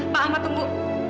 pak ahmad tunggu